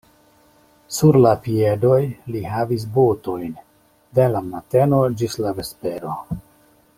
Sur la piedoj li havis botojn de la mateno ĝi la vespero.